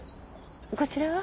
こちらは？